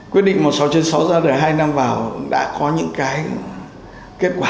quyết định một trăm sáu mươi sáu ra đời hai năm vào đã có những cái kết quả